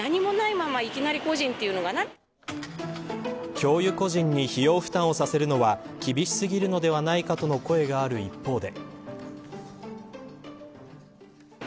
教諭個人に費用を負担させるのは厳しすぎるのではないかという声がある一方で。